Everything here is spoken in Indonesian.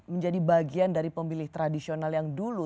menjadi bagian dari pemilih tradisional yang dulu